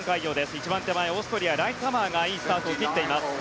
１番手前、オーストリアライツハマーがいいスタートを切っています。